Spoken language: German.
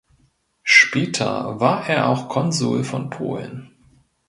Später war er auch Konsul von Polen.